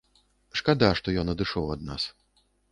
Шкада, што ён адышоў ад нас.